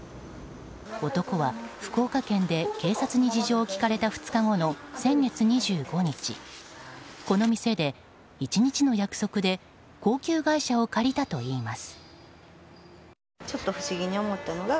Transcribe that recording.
男は福岡県で警察に事情を聴かれた２日後の先月２５日この店で１日の約束で高級外車を借りたといいます。